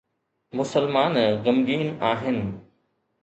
مسلمان غمگين آهن